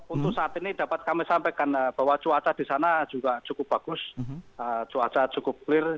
untuk saat ini dapat kami sampaikan bahwa cuaca di sana juga cukup bagus cuaca cukup clear